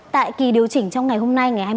tại kỳ điều chỉnh trong năm hai nghìn hai mươi một